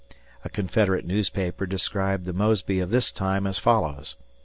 [A Confederate newspaper described the Mosby of this time as follows.